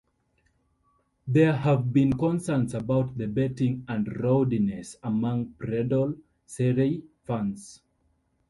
There have been concerns about the betting and rowdiness among pradal serey fans.